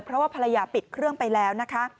เพราะว่าภรรยาปิดเครื่องไปแล้วนะคะ